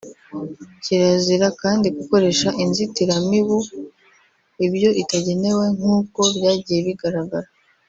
Kirazira kandi gukoresha inzitiramibu ibyo itagenewe nk’uko byagiye bigaragara